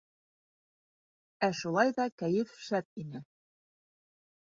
Ә шулай ҙа кәйеф шәп ине.